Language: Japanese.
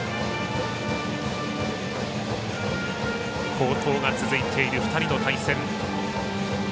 好投が続いている２人の対戦。